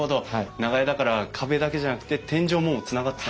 長屋だから壁だけじゃなくて天井もつながってた。